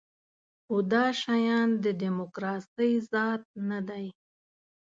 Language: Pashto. خو دا شیان د دیموکراسۍ ذات نه دی.